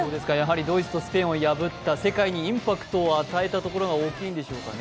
ドイツとスペインを破った、世界にインパクトを与えたところが大きいんでしょうかね。